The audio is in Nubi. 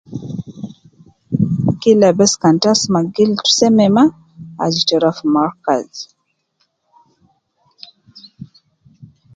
Kila bes kan ta asuma gildu seme ma, azol.kede rua fi Mahraj